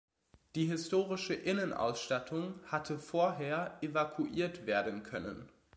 Die historische Innenausstattung hatte vorher evakuiert werden können.